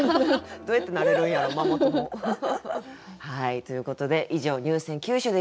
どうやってなれるんやろママ友。ということで以上入選九首でした。